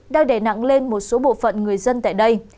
đang đè nặng lên một số bộ phận người dân tại đây